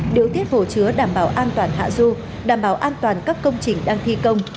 điều tiết hồ chứa đảm bảo an toàn hạ du đảm bảo an toàn các công trình đang thi công